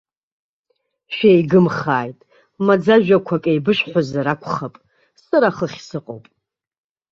Шәеигымхааит, маӡажәақәак еибышәҳәозар акәхап, сара хыхь сыҟоуп.